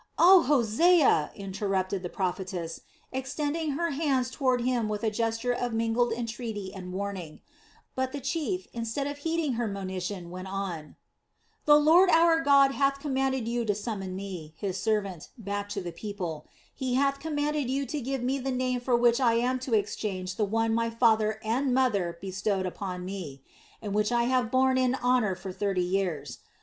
"Oh, Hosea!" interrupted the prophetess, extending her hands toward him with a gesture of mingled entreaty and warning; but the chief, instead of heeding her monition, went on: "The Lord our God hath commanded you to summon me, His servant, back to the people; He hath commanded you to give me the name for which I am to exchange the one my father and mother bestowed upon me, and which I have borne in honor for thirty years.